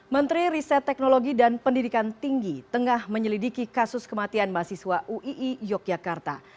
menteri riset teknologi dan pendidikan tinggi tengah menyelidiki kasus kematian mahasiswa uii yogyakarta